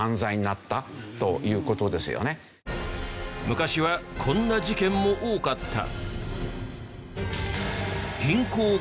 昔はこんな事件も多かった。